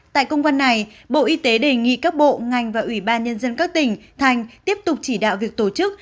tại công văn này bộ y tế đề nghị các bộ ngành và ủy ban nhân dân các tỉnh thành tiếp tục chỉ đạo việc tổ chức